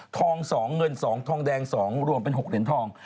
๒เงิน๒ทองแดง๒รวมเป็น๖เหรียญทอง